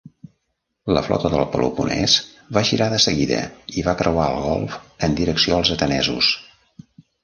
La flota del Peloponès va girar de seguida i va creuar el golf en direcció als atenesos.